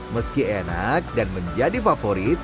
meski enak dan menjadi favorit